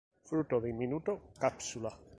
Fruto diminuto cápsula.